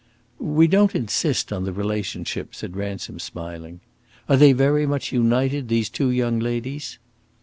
"We don't insist on the relationship," said Ransom, smiling. "Are they very much united, the two young ladies?"